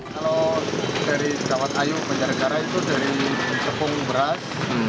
kalau dari dawet ayu banjar negara itu dari tepung beras